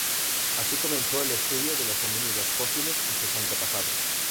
Así comenzó el estudio de los homínidos fósiles y sus antepasados.